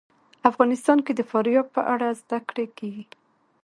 افغانستان کې د فاریاب په اړه زده کړه کېږي.